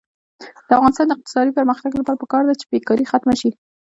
د افغانستان د اقتصادي پرمختګ لپاره پکار ده چې بېکاري ختمه شي.